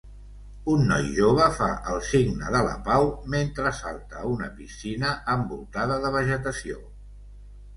Un noi jove fa el signe de la pau mentre salta a una piscina envoltada de vegetació.